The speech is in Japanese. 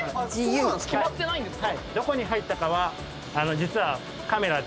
決まってないんですか？